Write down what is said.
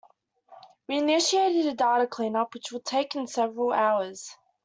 We initiated a data cleanup which will take several hours.